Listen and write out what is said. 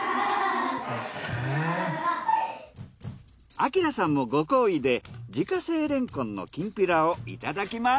アキラさんもご厚意で自家製レンコンのきんぴらをいただきます。